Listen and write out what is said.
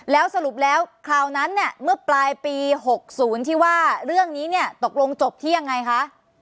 แล้วสรุปแล้วคราวนั้นเนี่ยเมื่อปลายปี๖๐ที่ว่าเรื่องนี้เนี่ยตกลงจบที่ยังไงคะ